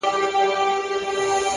د بریا زینه له حوصلې جوړیږي!